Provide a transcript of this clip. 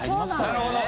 なるほど。